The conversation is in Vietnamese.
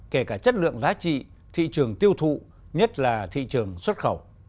kể cả chất lượng giá trị thị trường tiêu thụ nhất là thị trường xuất khẩu